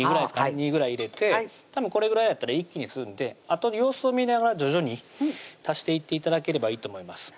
２ぐらい入れてこれぐらいやったら一気に吸うんであと様子を見ながら徐々に足していって頂ければいいと思います